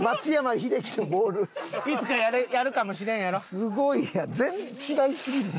すごいやん。